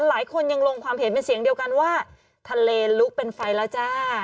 หลายคนยังลงความเห็นเป็นเสียงเดียวกันว่าทะเลลุกเป็นไฟแล้วจ้า